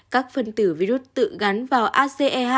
các phần tử virus tự gắn vào ace hai